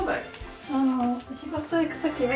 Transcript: あの。